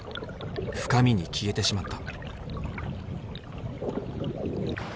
深みに消えてしまった。